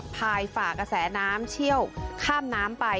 พายฝ่ากระแสน้ำเชี่ยวข้ามน้ำไป